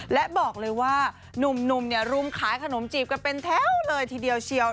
และบอกเลยว่านุ่มรุมขายขนมจีบกันเป็นแถวเลยทีเดียวเชียว